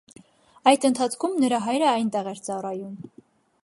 Այդ ընթացքում նրա հայրը այնտեղ էր ծառայում։